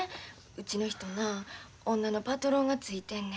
うちの人な女のパトロンがついてんねん。